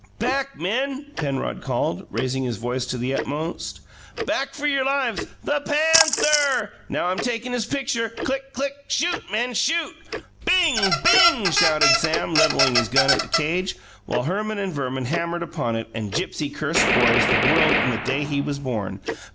"Back, men!" Penrod called, raising his voice to the utmost. "Back for your lives. The PA A ANTHER! Now I'm takin' his pitcher. Click, click! Shoot, men; shoot!" "Bing! Bing!" shouted Sam, levelling his gun at the cage, while Herman and Verman hammered upon it, and Gipsy cursed boys, the world and the day he was born.